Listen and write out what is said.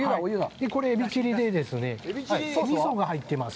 これ、エビチリでですね、味噌が入ってます。